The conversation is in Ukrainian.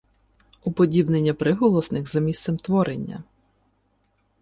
Уподібнення приголосних за місцем творення